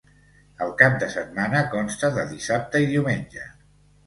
El cap de setmana consta de dissabte i diumenge.